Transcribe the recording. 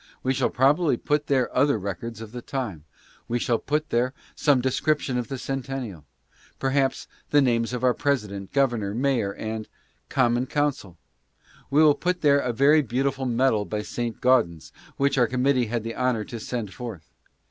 We shall probably put there other records of the time. We shall put there some description of the Centennial ; per haps, the names of our President, Governor, Mayor, and — Com mon Council ! We will put there a very beautiful medal by Saint Gaudens, which our committee had the honor to send forth.